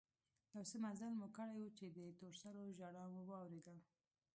يو څه مزل مو کړى و چې د تور سرو ژړا مو واورېدل.